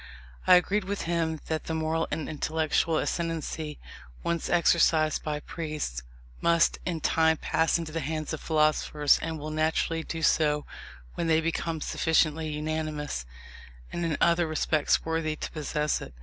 I agreed with him that the moral and intellectual ascendancy, once exercised by priests, must in time pass into the hands of philosophers, and will naturally do so when they become sufficiently unanimous, and in other respects worthy to possess it.